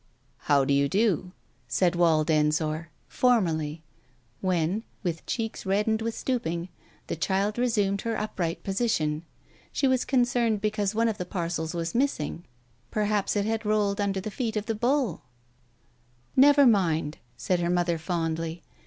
" How do you do ?" said Wald Ensor, formally, when, Digitized by Google 252 TALES OF THE UNEASY her cheeks reddened with stooping, the child resumed her upright position. NShe was concerned because one of the parcels was missing. Perhaps it had rolled under the feet of the bull ?... v "Never mind," said her mother fondly.